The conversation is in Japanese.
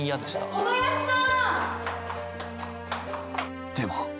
・小林さん！